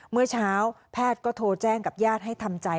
เมื่อเช้าแพทย์ก็โทรแจ้งกับญาติให้ทำใจ